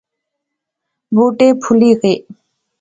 بُوٹے پُھلی غئے